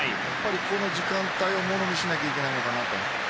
この時間帯をものにしないといけないのかなと。